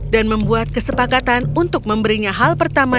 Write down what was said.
membuat kesepakatan untuk memberinya hal pertama